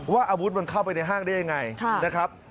อาวุธมันเข้าไปในห้างได้ยังไงนะครับ